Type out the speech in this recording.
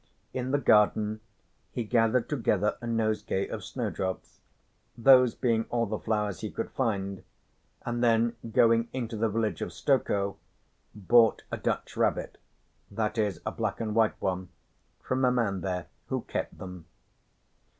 In the garden he gathered together a nosegay of snowdrops, those being all the flowers he could find, and then going into the village of Stokoe bought a Dutch rabbit (that is a black and white one) from a man there who kept them.